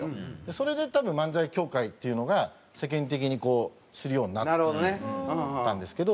それで多分漫才協会っていうのが世間的に知るようになったんですけど。